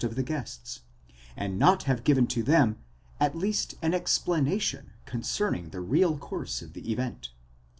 of the guests, and not have given to them at least an explanation concerning the real course of the event.